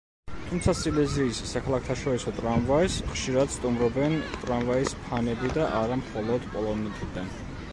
თუმცა სილეზიის საქალაქთაშორისო ტრამვაის ხშირად სტუმრობენ ტრამვაის ფანები და არა მხოლოდ პოლონეთიდან.